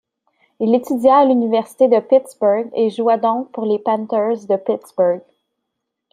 Il étudia à l'Université de Pittsburgh et joua donc pour les Panthers de Pittsburgh.